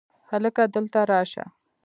هلکه! دلته راشه!